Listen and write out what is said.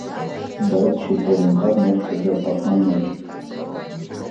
Բայց շուտով ընկան նոր շրջապատման մեջ։